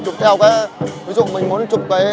thì các nhóm ảnh gia nên chọn một góc gì